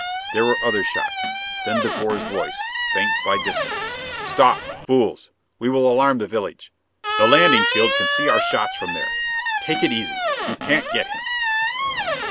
There were other shots. Then De Boer's voice, faint by distance: "Stop! Fools! We will alarm the village! The landing field can see our shots from here! Take it easy! You can't get him!"